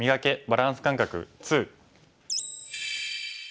バランス感覚２」。